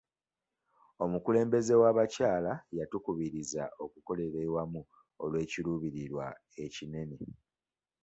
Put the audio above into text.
Omukulembeze w'abakyala yatukubirizza okukolera awamu olw'ekiruubirirwa ekinene.